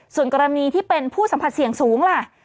ส่วนกรณีที่เป็นผู้สัมผัสเสี่ยงสูงล่ะ